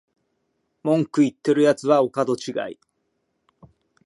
文句言ってるやつはお門違い